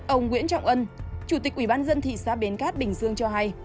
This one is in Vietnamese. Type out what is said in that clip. ông nguyễn trọng ân chủ tịch ubnd thị xã bến cát bình dương cho hay